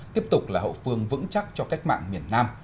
tiếp tục là hậu phương vững chắc cho cách mạng miền nam